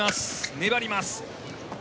粘ります。